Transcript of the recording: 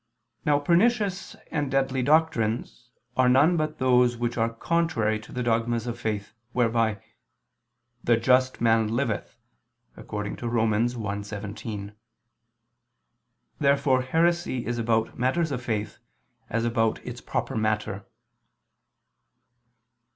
Now pernicious and deadly doctrines are none but those which are contrary to the dogmas of faith, whereby "the just man liveth" (Rom. 1:17). Therefore heresy is about matters of faith, as about its proper matter.